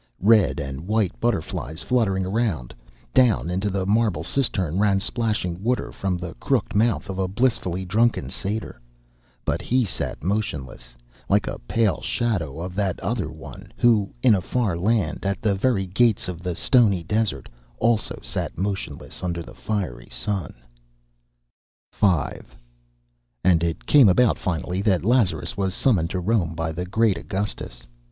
Red and white butterflies fluttered around; down into the marble cistern ran splashing water from the crooked mouth of a blissfully drunken Satyr; but he sat motionless, like a pale shadow of that other one who, in a far land, at the very gates of the stony desert, also sat motionless under the fiery sun. V And it came about finally that Lazarus was summoned to Rome by the great Augustus.